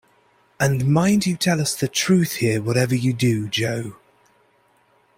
And mind you tell us the truth here, whatever you do, Jo.